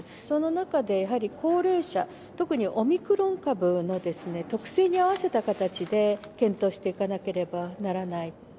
その中でやはり高齢者、特にオミクロン株の特性に合わせた形で、検討していかなければならない。